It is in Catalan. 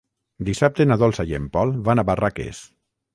Dissabte na Dolça i en Pol van a Barraques.